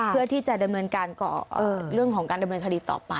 เพื่อที่จะดำเนินการเรื่องของการดำเนินคดีต่อไป